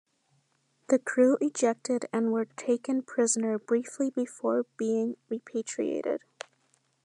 The crew ejected and were taken prisoner briefly before being repatriated.